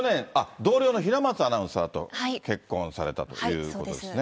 同僚の平松アナウンサーと結婚されたということですね。